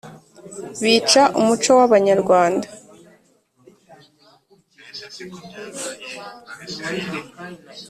Bica umuco w’abanyarwanda